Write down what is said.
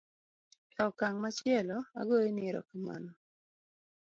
e okang' machielo agoyo ni erokamano